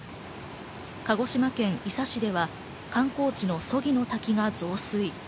鹿児島県伊佐市では観光地の曽木の滝が増水。